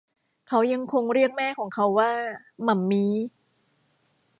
เขายังคงเรียกแม่ของเขาว่า หมั่มมี้